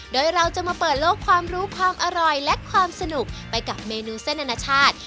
โดยเราจะมาเปิดโลกความรู้ความอร่อยและความสนุกไปกับเมนูเส้นอนาชาติ